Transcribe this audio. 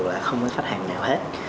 là không có khách hàng nào hết